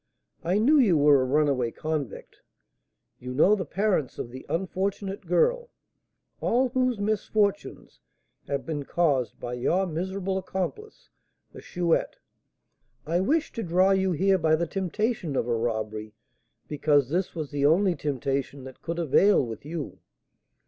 I knew you were a runaway convict, you know the parents of the unfortunate girl, all whose misfortunes have been caused by your miserable accomplice, the Chouette. I wished to draw you here by the temptation of a robbery, because this was the only temptation that could avail with you.